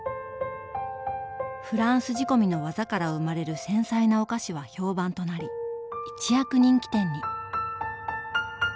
フランス仕込みの技から生まれる繊細なお菓子は評判となり一躍人気店に。